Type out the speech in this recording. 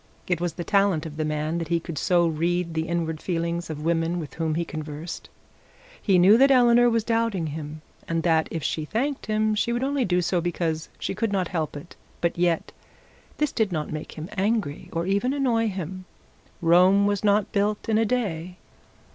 It was the talent of the man that he could so read the inward feelings of women with whom he conversed. He knew that Eleanor was doubting him, and that if she thanked him she would only do so because she could not help it; but yet this did not make him angry or even annoy him. Rome was not built in a day.